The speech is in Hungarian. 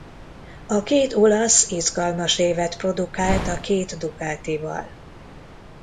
A két olasz izgalmas évet produkált a két Ducatival.